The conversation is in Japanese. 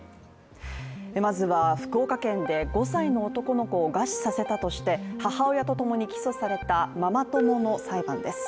まずは福岡県で５歳の男の子を餓死させたとして母親と共に起訴されたママ友の裁判です。